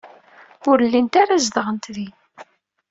Ur llint ara zedɣent din.